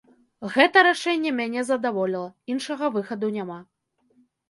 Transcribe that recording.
Гэта рашэнне мяне задаволіла, іншага выхаду няма.